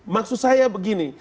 maksud saya begini